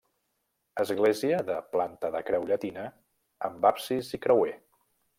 Església de planta de creu llatina amb absis i creuer.